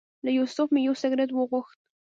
له یوسف مې یو سګرټ وغوښت.